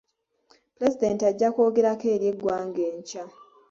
Pulezidenti ajja kwogerako eri eggwanga enkya.